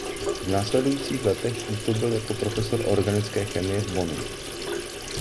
V následujících letech působil jako profesor organické chemie v Bonnu.